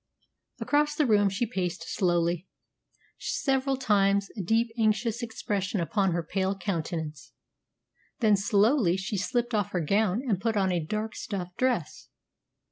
Across the room she paced slowly several times, a deep, anxious expression upon her pale countenance; then slowly she slipped off her gown and put on a dark stuff dress.